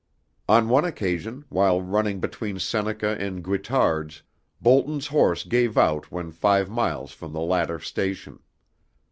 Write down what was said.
On one occasion, while running between Seneca and Guittards', Boulton's horse gave out when five miles from the latter station.